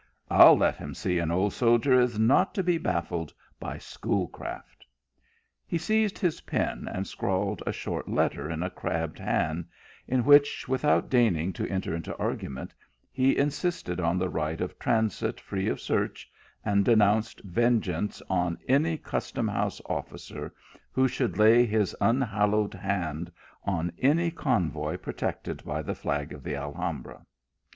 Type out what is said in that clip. I ll let him see that an old soldier is not to be baffled by schoolcraft." He seized his pen, and scrawled a short letter in a crabbed hand, in which, without deigning to enter nto argument, he insisted on the right of transit free of search, and denounced vengeance on any Custom house officer who should lay his unhallowed hand on any convoy pro^cted by the flag oi the Alhambra.